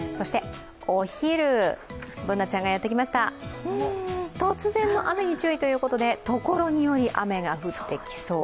お昼、Ｂｏｏｎａちゃんがやってきました、突然の雨に注意ということで所により雨が降ってきそう。